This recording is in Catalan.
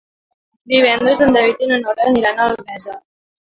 Divendres en David i na Nora aniran a Albesa.